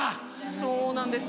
そうなんです。